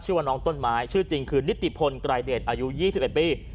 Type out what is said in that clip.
ว่าน้องต้นไม้ชื่อจริงคือนิติพลไกรเดชอายุ๒๑ปี